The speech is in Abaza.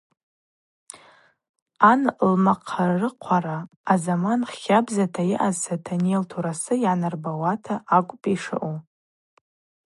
Ан лмахъарыхъвара азаман хабзата йаъаз Сатаней лтурасы йгӏанарбауата акӏвпӏ йшаъу.